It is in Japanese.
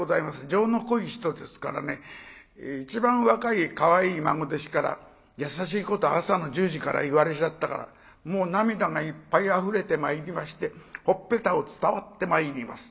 情の濃い人ですからね一番若いかわいい孫弟子から優しいこと朝の１０時から言われちゃったからもう涙がいっぱいあふれてまいりましてほっぺたを伝わってまいります。